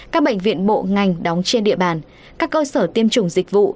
các bệnh viện bộ ngành đóng trên địa bàn các cơ sở tiêm chủng dịch vụ